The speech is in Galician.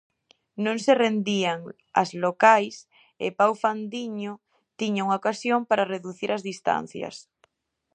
Non se rendían as locais e Pau Fandiño tiña unha ocasión para reducir distancias.